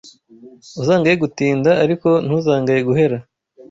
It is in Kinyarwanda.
Uzangaye gutinda ariko ntuzangaye guhera